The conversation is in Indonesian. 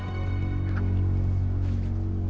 mengheningkan cipta selesai